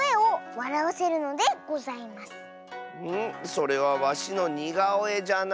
それはわしのにがおえじゃな。